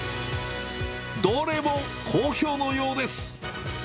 どれも好評のようです。